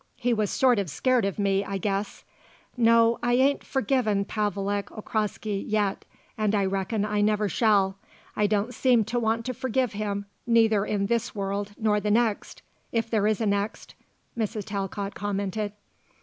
He was sort of scared of me, I guess. No: I ain't forgiven Pavelek Okraski yet and I reckon I never shall. I don't seem to want to forgive him, neither in this world nor the next if there is a next," Mrs. Talcott commented.